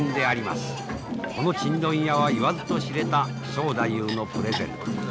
このチンドン屋は言わずと知れた正太夫のプレゼント。